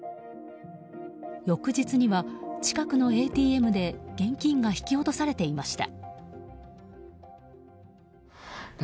翌日には、近くのＡＴＭで現金が引き落とされていました。